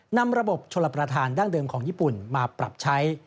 นำระบบชลประธานดั้งเดิมของญี่ปุ่นมาปรับใช้